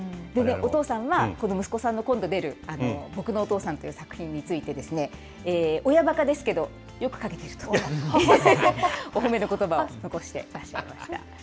お父さんは、この息子さんの今度出る、ぼくのお父さんという作品についてですね、親ばかですけど、よく描けてるという、お褒めのことば残してらっしゃいました。